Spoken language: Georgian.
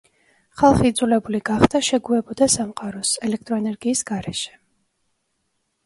ხალხი იძულებული გახდა შეგუებოდა სამყაროს, ელექტროენერგიის გარეშე.